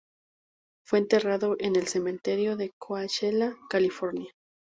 Fue enterrado en el cementerio de Coachella, California.